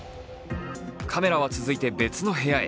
カメラは続いて別の部屋へ。